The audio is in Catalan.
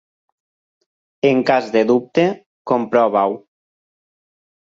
En cas de dubte, comprova-ho.